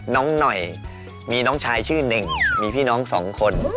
น้องหน่อยมีน้องชายชื่อเน่งมีพี่น้องสองคน